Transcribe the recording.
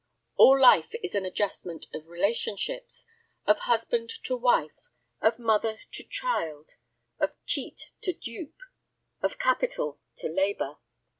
All life is an adjustment of relationships, of husband to wife, of mother to child, of cheat to dupe, of capital to labor.